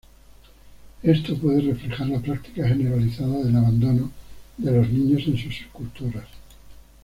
Esto puede reflejar la práctica generalizada del abandono de los niños en sus culturas.